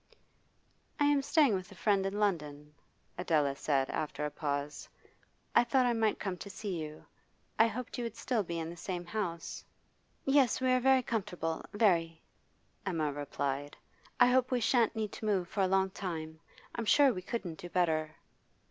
'I am staying with a friend in London,' Adela said after a pause. 'I thought I might come to see you. I hoped you would still be in the same house.' 'Yes, we are very comfortable, very,' Emma replied. 'I hope we shan't need to move for a long time; I'm sure we couldn't do better.